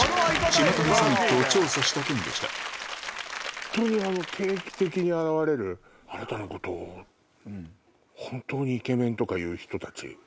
本当に定期的に現れるあなたのことを本当にイケメンとか言う人たち。